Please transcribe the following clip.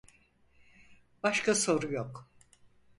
Başka soru yok.